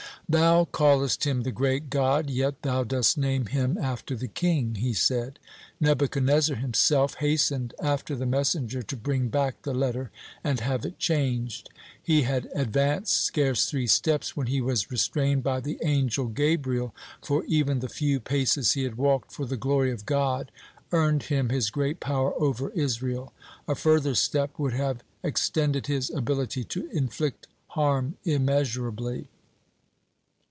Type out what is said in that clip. "Thou callest Him 'the great God,' yet thou dost name Him after the king," he said. Nebuchadnezzar himself hastened after the messenger to bring back the letter and have it changed. He had advanced scarce three steps when he was restrained by the angel Gabriel, for even the few paces he had walked for the glory of God earned him his great power over Israel. A further step would have extended his ability to inflict harm immeasurably.